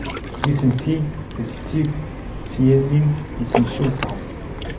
Nitenti d tifesyanin n temsulta.